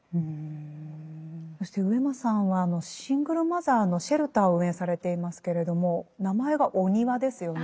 そして上間さんはシングルマザーのシェルターを運営されていますけれども名前が「おにわ」ですよね。